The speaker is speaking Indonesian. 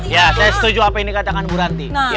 ya saya setuju apa yang dikatakan bu ranti